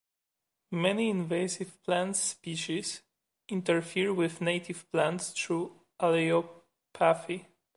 Many invasive plant species interfere with native plants through allelopathy.